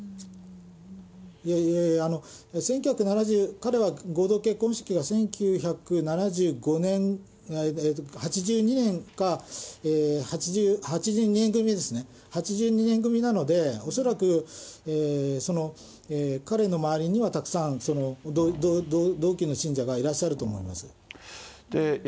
いやいやいや、彼は合同結婚式が１９７５年、８２年か、８２年組ですね、８２年組なので、恐らく彼の周りには、たくさん同期の信者がいらっしゃると思います。